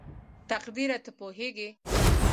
تقديره ته پوهېږې??